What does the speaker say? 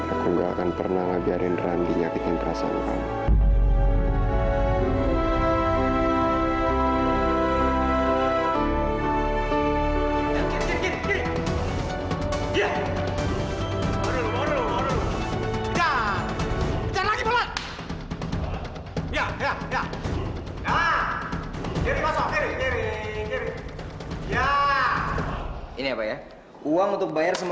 aku gak akan pernah nabiarin rambi nyakit yang terasa di kamu